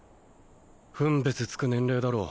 分別つく年齢だろ